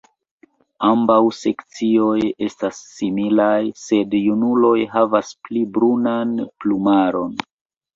Ambaŭ seksoj estas similaj, sed junuloj havas pli brunan plumaron.